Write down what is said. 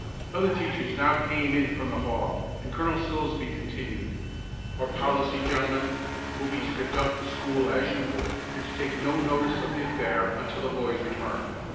Other teachers now came in from the hall, and Colonel Silsbee continued: "Our policy, gentlemen, will be to conduct the school as usual, and to take no notice of the affair until the boys return.